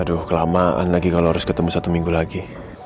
aduh kelamaan lagi kalau harus ketemu satu minggu lagi